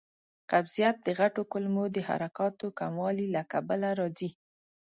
قبضیت د غټو کولمو د حرکاتو کموالي له کبله راځي.